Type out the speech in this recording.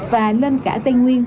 và lên cả tây nguyên